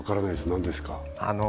何ですか？